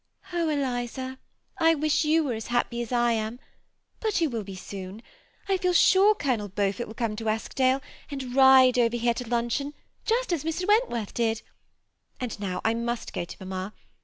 ^ Oh, Eliza I I wish you were as happy as I am ; but yon will be soon. I feel sure Colonel Beaufort will ccxne to Eskdale, and ride over here to luncheon, just as Mr. Wentworth did $ and now I must go to mamma.